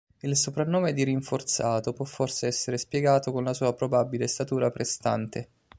Il soprannome di "Rinforzato" può forse essere spiegato con la sua probabile statura prestante.